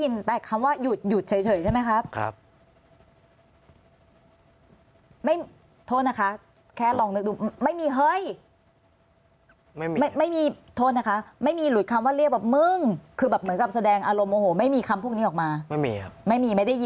รถลูกชายมีอะไรผิดปกติไหมคุณแม่